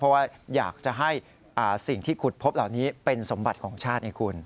เพราะว่าอยากจะให้สิ่งที่ขุดพบเหล่านี้เป็นสมบัติของชาติไงคุณ